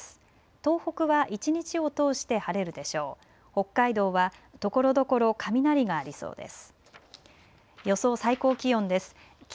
北海道はところどころ雷がありそうです。